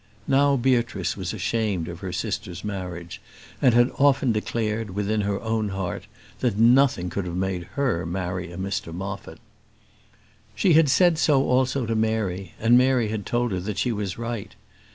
Now Beatrice was ashamed of her sister's marriage, and had often declared, within her own heart, that nothing could have made her marry a Mr Moffat. She had said so also to Mary, and Mary had told her that she was right.